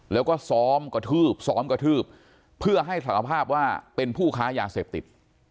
แล้วก็ซ้อมกระทืบซ้อมกระทืบเพื่อให้สารภาพว่าเป็นผู้ค้ายาเสพติด